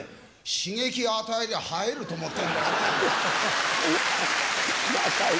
刺激与えりゃ生えると思ってんだよ。